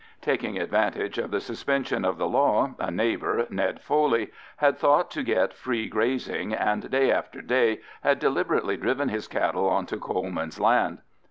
Taking advantage of the suspension of the law, a neighbour, Ned Foley, had thought to get free grazing, and day after day had deliberately driven his cattle on to Coleman's land.